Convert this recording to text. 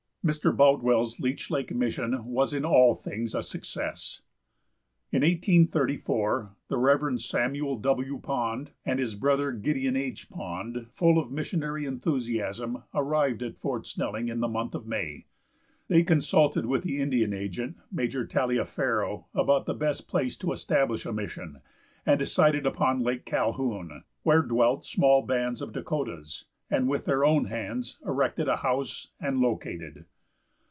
Mr. Boutwell's Leech lake mission was in all things a success. In 1834 the Rev. Samuel W. Pond and his brother, Gideon H. Pond, full of missionary enthusiasm, arrived at Fort Snelling, in the month of May. They consulted with the Indian agent, Major Taliaferro, about the best place to establish a mission, and decided upon Lake Calhoun, where dwelt small bands of Dakotas, and with their own hands erected a house and located.